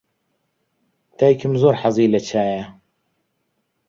دایکم زۆر حەزی لە چایە.